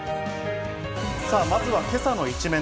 まずは今朝の一面。